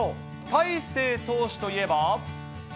大勢投手といえば。